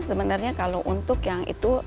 sebenarnya kalau untuk yang itu